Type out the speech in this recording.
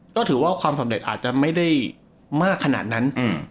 ก็ถือว่าความสำเร็จอาจจะไม่ได้มากขนาดนั้น